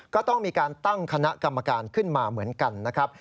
ก็ต้องมีการตั้งคณะกรรมการขึ้นมาเหมือนกันนะครับ